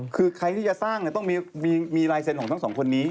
คือใครที่จะสร้างต้องมีลายเซ็นต์ของทั้งสองคนนี้